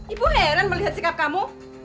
ibu heran melihat sikap kamu